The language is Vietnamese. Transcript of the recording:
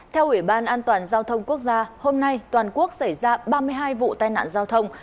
theo ủy ban an toàn giao thông quốc gia hôm nay toàn quốc xảy ra ba mươi hai vụ tai nạn giao thông